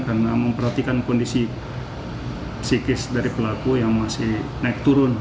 karena memperhatikan kondisi psikis dari pelaku yang masih naik turun